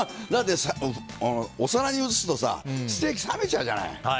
お皿に移すとステーキ冷めちゃうじゃない。